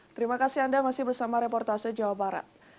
terima kasih anda masih bersama reportase jawa barat